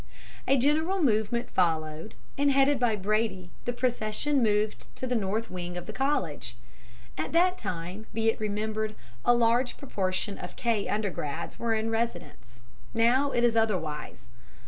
"A general movement followed, and headed by Brady the procession moved to the north wing of the College. At that time, be it remembered, a large proportion of K. undergrads were in residence now it is otherwise.